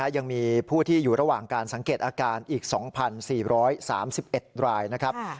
ยังมีผู้ที่อยู่ระหว่างการสังเกตอาการอีก๒๔๓๑รายนะครับ